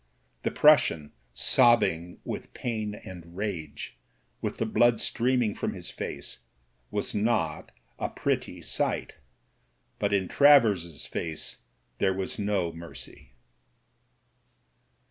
The Prussian, sobbing with pain and rage, with the blood streaming from his face, was not a pretty sight ; but in Travers's face there was no mercy.